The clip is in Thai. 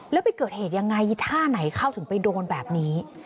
แล้วไปเกิดเหตุยังไงท่าไหนเข้าถึงไปโดนแบบนี้